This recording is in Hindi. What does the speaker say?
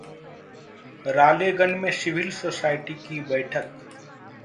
रालेगण में सिविल सोसाइटी की बैठक